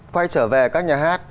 quay trở về các nhà hát